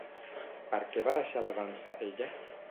Per què va deixar la dansa ella?